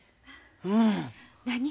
うん。何？